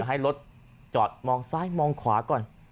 ให้รถจอดมองซ้ายมองขวาก่อน